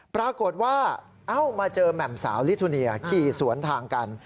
ปรากฏว่าเอ้ามาเจอแหม่มสาวลิทูเนียขี่สวนทางกัน